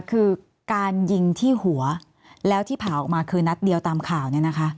คือการยิงที่หัวแล้วที่ผ่าออกมาคือนัดเดียวตามข่าวเนี่ยนะคะ